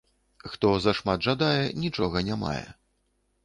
Хто зашмат жадае, нічога не мае